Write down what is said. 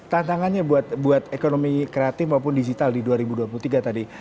tantangannya buat ekonomi kreatif maupun digital di dua ribu dua puluh tiga tadi